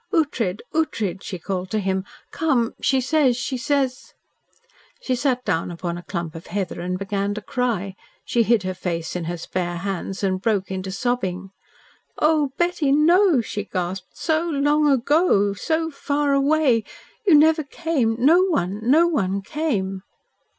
"Ughtred! Ughtred!" she called to him. "Come! She says she says " She sat down upon a clump of heather and began to cry. She hid her face in her spare hands and broke into sobbing. "Oh, Betty! No!" she gasped. "It's so long ago it's so far away. You never came no one no one came!"